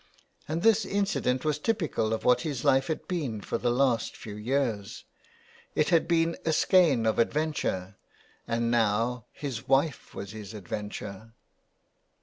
And this incident was typical of what his life had been for the last few years. It had been a skein of adventure, and now his wife was his adventure. 326 THE WILD GOOSE.